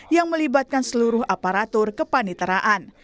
yang melibatkan seluruh aparatur kepaniteraan